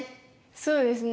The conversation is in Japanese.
そうですね。